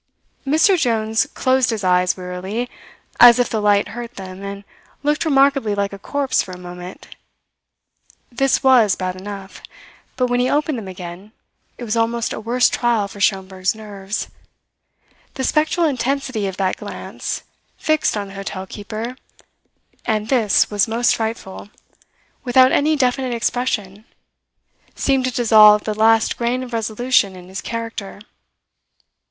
"Ha! Ha! Ha!" Mr Jones closed his eyes wearily, as if the light hurt them, and looked remarkably like a corpse for a moment. This was bad enough; but when he opened them again, it was almost a worse trial for Schomberg's nerves. The spectral intensity of that glance, fixed on the hotel keeper (and this was most frightful) without any definite expression, seemed to dissolve the last grain of resolution in his character.